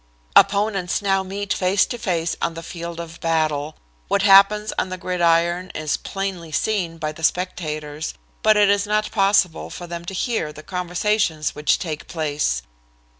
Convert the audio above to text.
Opponents now meet face to face on the field of battle. What happens on the gridiron is plainly seen by the spectators, but it is not possible for them to hear the conversations which take place.